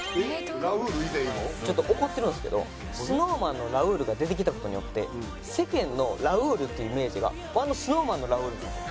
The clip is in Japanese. ちょっと怒ってるんですけどＳｎｏｗＭａｎのラウールが出てきた事によって世間のラウールというイメージがもうあのＳｎｏｗＭａｎのラウールなんですよ。